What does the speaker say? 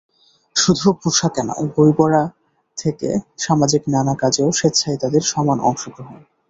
শুধু পোশাকে নয়, বইপড়া থেকে সামাজিক নানা কাজেও স্বেচ্ছায় তাঁদের সমান অংশগ্রহণ।